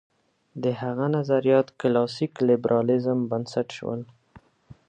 د هغه نظریات کلاسیک لېبرالېزم بنسټ شول.